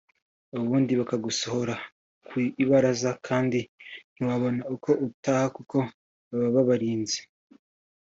ubundi bakagusohora ku ibaraza kandi ntiwabona uko utaha kuko baba babarinze